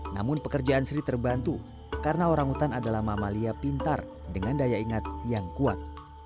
namun pekerjaan seri terbantu karena orangutan adalah mamalia pintar dengan daya ingat yang kuat